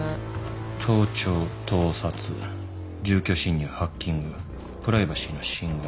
盗聴盗撮住居侵入ハッキングプライバシーの侵害。